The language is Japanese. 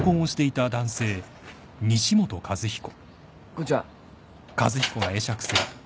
こんちは。